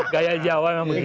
gaya jawa yang begitu